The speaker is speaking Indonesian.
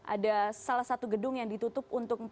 ada salah satu gedung yang ditutup untuk empat belas hari